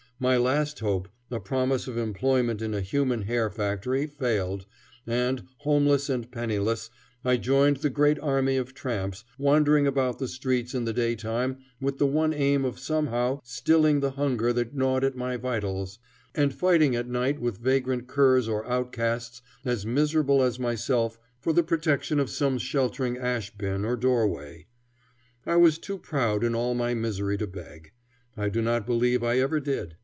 My last hope, a promise of employment in a human hair factory, failed, and, homeless and penniless, I joined the great army of tramps, wandering about the streets in the daytime with the one aim of somehow stilling the hunger that gnawed at my vitals, and fighting at night with vagrant curs or outcasts as miserable as myself for the protection of some sheltering ash bin or doorway. I was too proud in all my misery to beg. I do not believe I ever did.